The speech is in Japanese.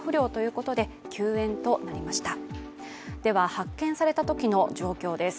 発見されたときの状況です。